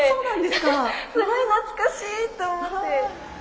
すごい懐かしい！と思って。